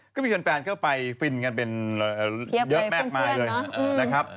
ก็มีแฟนเข้าไปฟินกันเป็นเยอะมากมายเลยนะครับ